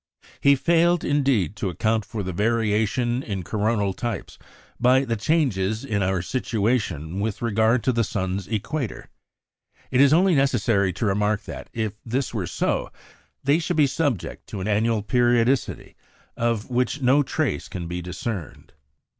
He failed, indeed, to account for the variation in coronal types by the changes in our situation with regard to the sun's equator. It is only necessary to remark that, if this were so, they should be subject to an annual periodicity, of which no trace can be discerned.